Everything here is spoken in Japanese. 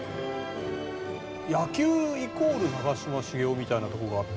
野球イコール長嶋茂雄みたいなとこがあって。